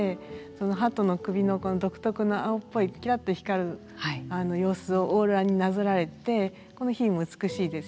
鳩の首の独特の青っぽいキラッと光る様子をオーロラになぞらえてこの比喩も美しいですし。